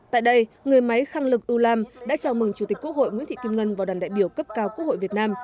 tại đây người máy khăng lực ulam đã chào mừng chủ tịch quốc hội nguyễn thị kim ngân và đoàn đại biểu cấp cao quốc hội việt nam